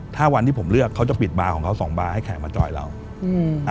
ถ้าวันที่ผมเลือกเขาจะปิดบาร์ของเขาสองบาร์ให้แขกมาจอยเราอืม